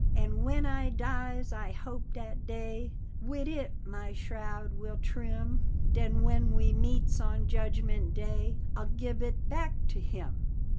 And when I dies I hope dat dey Wid it my shroud will trim. Den when we meets on Judgment Day, I'll gib it back to him.